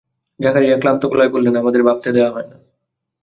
জাকারিয়া ক্লান্ত গলায় বললেন, আমাদের ভাবতে দেয়া হয় না।